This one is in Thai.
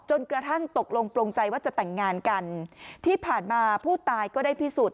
จนกระทั่งตกลงปลงใจว่าจะแต่งงานกันที่ผ่านมาผู้ตายก็ได้พิสูจน